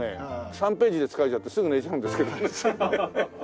３ページで疲れちゃってすぐ寝ちゃうんですけど。